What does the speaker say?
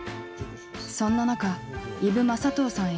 そんな中伊武雅刀さん